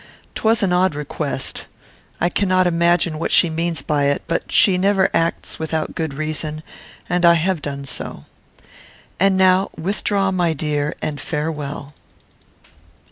'Twas an odd request. I cannot imagine what she means by it; but she never acts without good reason, and I have done so. And now, withdraw, my dear, and farewell."